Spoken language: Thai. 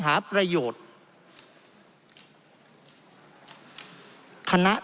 เพราะเรามี๕ชั่วโมงครับท่านนึง